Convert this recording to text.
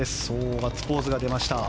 ガッツポーズが出ました。